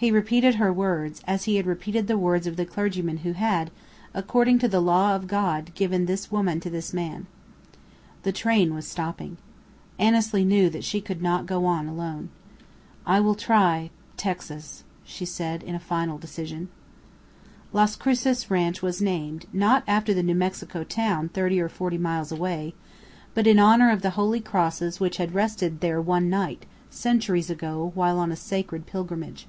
He repeated her words, as he had repeated the words of the clergyman who had, according to the law of God, given "this woman to this man." The train was stopping. Annesley knew that she could not go on alone. "I will try Texas," she said in final decision. Las Cruces Ranch was named, not after the New Mexico town thirty or forty miles away, but in honour of the Holy Crosses which had rested there one night, centuries ago, while on a sacred pilgrimage.